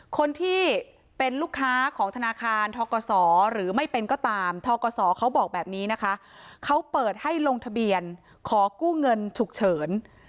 คนที่เป็นลูกค้าของธนาคารทกศหรือไม่เป็นก็ตามทกศเขาบอกแบบนี้นะคะเขาเปิดให้ลงทะเบียนขอกู้เงินฉุกเฉิน